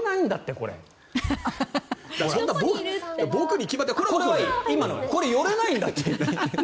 これ寄れないんだって！